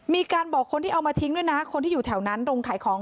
มีการบอกคนที่เอามาทิ้งด้วยนะคนที่อยู่แถวนั้นโรงขายของ